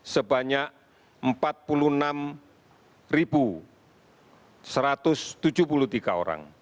sebanyak empat puluh enam satu ratus tujuh puluh tiga orang